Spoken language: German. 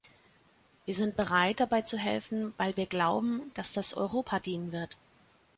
Wir sind bereit, dabei zu helfen, weil wir glauben, dass das Europa dienen wird.